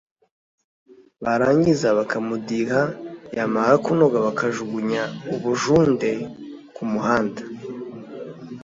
barangiza bakamudiha yamara kunoga bakajugunya ubujunde ku muhanda